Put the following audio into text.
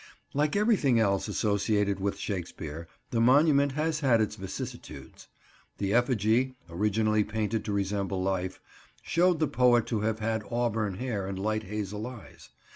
Like everything else associated with Shakespeare, the monument has had its vicissitudes. The effigy, originally painted to resemble life, showed the poet to have had auburn hair and light hazel eyes.